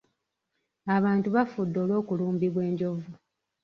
Abantu bafudde olw'okulumbibwa enjovu.